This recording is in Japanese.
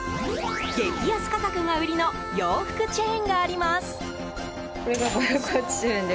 激安価格が売りの洋服チェーンがあります。